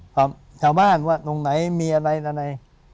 ตอบชาวบ้านว่าตรงไหนมีอะไร